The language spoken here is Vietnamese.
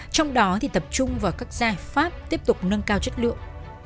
trong đó thì tập trung vào các giai pháp tiếp tục nâng cao chất lượng